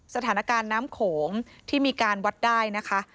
สถานการณ์น้ำโขงที่มีการวัดได้นะคะ